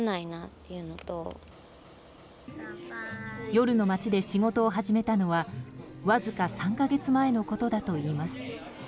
夜の街で仕事を始めたのはわずか３か月前のことだといいます。